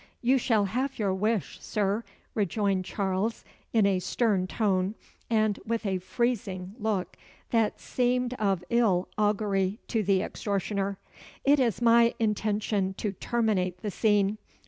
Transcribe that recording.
"You shall have your wish, Sir," rejoined Charles in a stern tone and with a freezing look, that seemed of ill augury to the extortioner "It is my intention to terminate the scene.